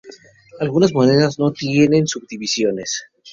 Algunas monedas no tienen subdivisiones.